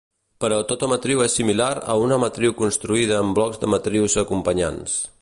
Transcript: Però tota matriu és similar a una matriu construïda amb blocs de matrius acompanyants.